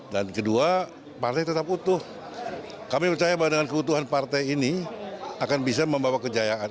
dan kedua partai tetap utuh kami percaya bahwa dengan keutuhan partai ini akan bisa membawa kejayaan